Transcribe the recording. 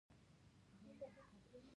حیوانات د تغذیې زنجیر کې مهم دي.